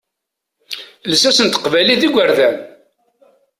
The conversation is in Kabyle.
Lsas n teqbaylit d igerdan.